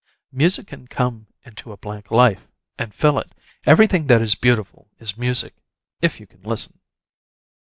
Music can come into a blank life, and fill it. Everything that is beautiful is music, if you can listen.